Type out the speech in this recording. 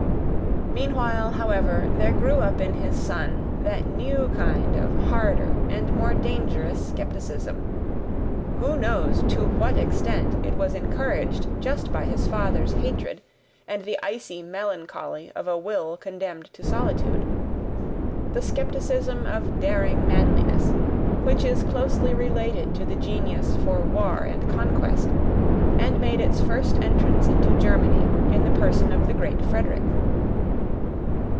Meanwhile, however, there grew up in his son that new kind of harder and more dangerous skepticism who knows TO WHAT EXTENT it was encouraged just by his father's hatred and the icy melancholy of a will condemned to solitude? the skepticism of daring manliness, which is closely related to the genius for war and conquest, and made its first entrance into Germany in the person of the great Frederick.